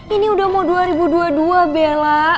ini udah mau dua ribu dua puluh dua bella